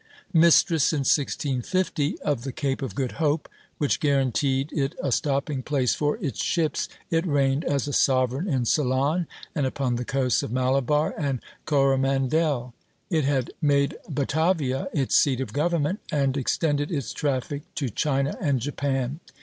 Mistress in 1650 of the Cape of Good Hope, which guaranteed it a stopping place for its ships, it reigned as a sovereign in Ceylon, and upon the coasts of Malabar and Coromandel. It had made Batavia its seat of government, and extended its traffic to China and Japan.